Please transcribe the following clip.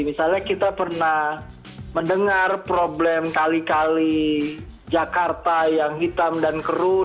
misalnya kita pernah mendengar problem kali kali jakarta yang hitam dan keruh